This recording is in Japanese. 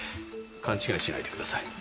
勘違いしないでください。